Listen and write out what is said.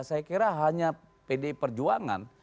saya kira hanya pdi perjuangan